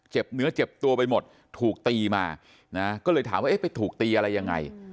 เนื้อเจ็บตัวไปหมดถูกตีมานะก็เลยถามว่าเอ๊ะไปถูกตีอะไรยังไง